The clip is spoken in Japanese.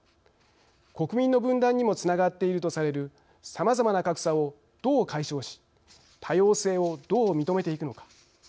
国民の分断にもつながっているとされるさまざま格差をどう解消し多様性をどう認めていくのか。